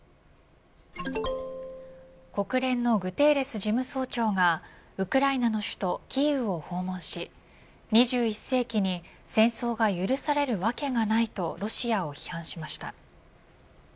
国連のグテーレス事務総長がウクライナの首都キーウを訪問し２１世紀に戦争が許されるわけがないとロシアを批判しました。